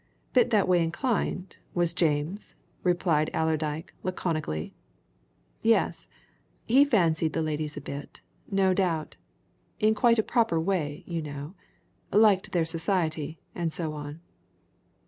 "Bit that way inclined, was James," replied Allerdyke laconically. "Yes he fancied the ladies a bit, no doubt. In quite a proper way, you know liked their society, and so on."